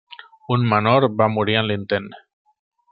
Un menor va morir en l'intent.